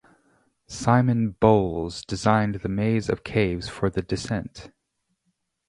Simon Bowles designed the maze of caves for "The Descent".